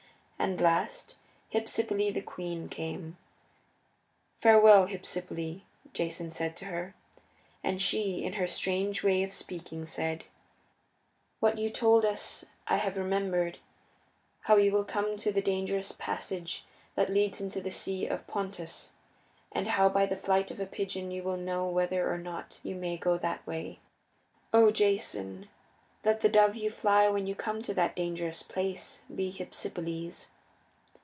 And last, Hypsipyle, the queen, came. "Farewell, Hypsipyle," Jason said to her, and she, in her strange way of speaking, said: "What you told us I have remembered how you will come to the dangerous passage that leads into the Sea of Pontus, and how by the flight of a pigeon you will know whether or not you may go that way. O Jason, let the dove you fly when you come to that dangerous place be Hypsipyle's."